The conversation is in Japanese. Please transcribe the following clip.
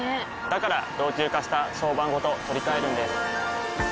から老朽化した床版ごと取り替えるんです。